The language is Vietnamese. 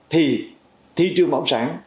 thì thị trường bắt nộp sản